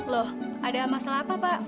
loh ada masalah apa pak